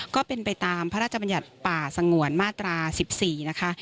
ก็เป็นไปตามพระราชบัญญัติป่าสงวนมาตรา๑๔นะคะ